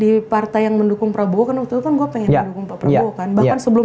di partai yang mendukung prabowo kan waktu itu kan gue pengen mendukung pak prabowo kan bahkan sebelum